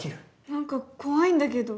なんか怖いんだけど。